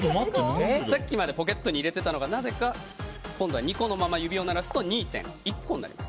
さっきまでポケットに入れてたのがなぜか、今度は２このまま指を鳴らすと２．１個になります。